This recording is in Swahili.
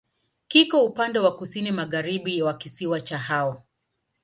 Kiko upande wa kusini-magharibi wa kisiwa cha Hao.